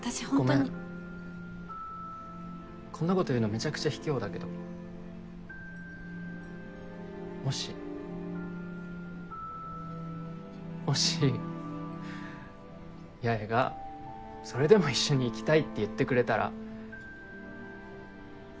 ごめんこんなこと言うのめちゃくちゃひきょうだけどもしもし八重がそれでも一緒に行きたいって言ってくれたら。